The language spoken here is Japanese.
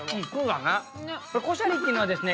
でコシャリっていうのはですね